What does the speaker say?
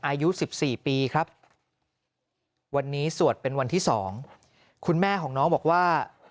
อายุ๑๔ปีครับวันนี้สวดเป็นวันที่๒คุณแม่ของน้องบอกว่า